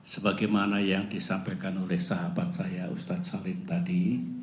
sebagaimana yang disampaikan oleh sahabat saya ustadz salim tadi